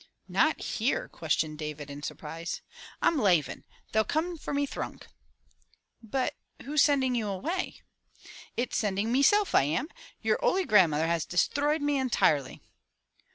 "Not here?" questioned David in surprise. " I'm lavin'. They'll come for me thrunk." "But who's sending you away?" "It's sending meself I am. Yer houly grandmother has me disthroyed intirely."